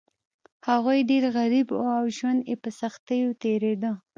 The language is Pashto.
هغوی ډیر غریب وو او ژوند یې په سختیو تیریده.